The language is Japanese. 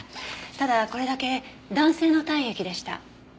ただこれだけ男性の体液でした。